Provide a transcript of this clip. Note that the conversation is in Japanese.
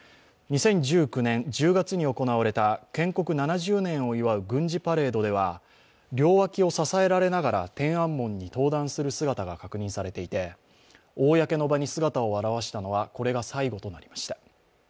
２０１９年１０月に行われた建国７０年を祝う軍事パレードでは両脇を支えられながら天安門に登壇する姿が確認されていて、公の場に姿を現したのはこれが最後となりました。